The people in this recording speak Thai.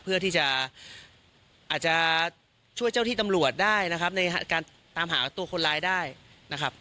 เพื่อที่จะอาจจะช่วยเจ้าที่ตำรวจได้นะครับในการตามหาตัวคนร้ายได้นะครับ